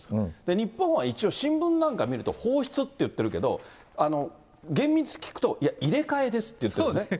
日本は一応新聞なんか見ると、放出って言ってるけど、厳密聞くと、いや、入れ替えですって言ってるんですね。